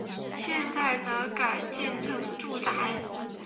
现在则改建成住宅。